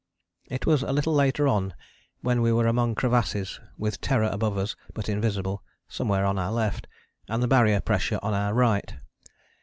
It was a little later on when we were among crevasses, with Terror above us, but invisible, somewhere on our left, and the Barrier pressure on our right.